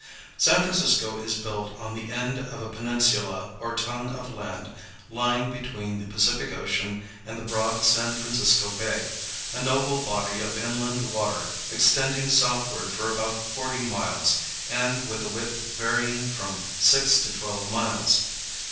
San Francisco is built on the end of a peninsula or tongue of land lying between the Pacific Ocean and the broad San Francisco Bay, a noble body of inland water extending southward for about forty miles and with a width varying from six to twelve miles.